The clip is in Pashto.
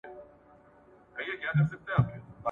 تاسي باید د دغې هټې څخه د حج دپاره تسبېح رانیسئ.